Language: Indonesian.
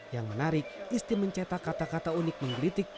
yang menarik isti mencetak kata kata unik menggelitik